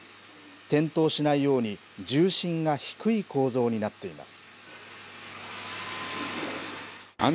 転倒しないように、重心が低い構造になっています。